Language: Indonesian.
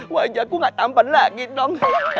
wajahku gak tampan lagi dong